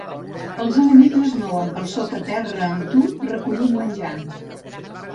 Els enemics es mouen per sota terra amb tu, recollint menjar.